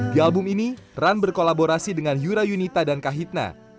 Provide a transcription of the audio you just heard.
di album ini run berkolaborasi dengan yura yunita dan kahitna